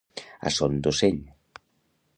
A son d'ocell.